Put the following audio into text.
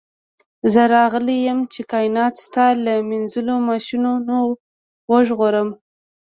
زه راغلی یم چې کائنات ستا له مینځلو ماشینونو وژغورم